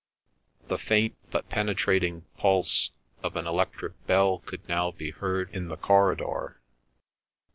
The faint but penetrating pulse of an electric bell could now be heard in the corridor.